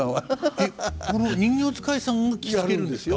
えっこの人形遣いさんが着付けるんですか？